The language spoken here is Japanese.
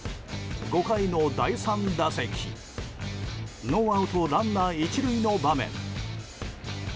５回の第３打席、ノーアウトランナー１塁の場面。